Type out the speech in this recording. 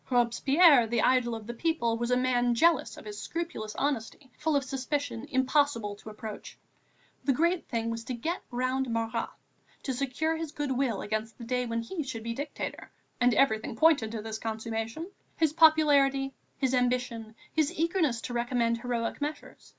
Robespierre, the idol of the people, was a man jealous of his scrupulous honesty, full of suspicion, impossible to approach. The great thing was to get round Marat, to secure his good will against the day when he should be dictator and everything pointed to this consummation, his popularity, his ambition, his eagerness to recommend heroic measures.